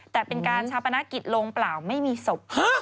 แต่เป็นการชาปนกิจลงเปล่าไม่มีศพ